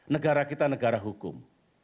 negara kita negara hukum